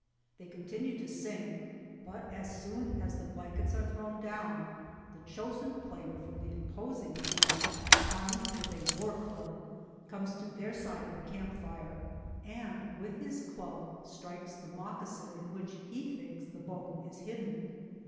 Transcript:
They continue to sing, but as soon as the blankets are thrown down the chosen 27 GERONIMO player from the opposing team, armed with a war club, comes to their side of the camp fire and with his club strikes the moccasin in which he thinks the bone is hidden.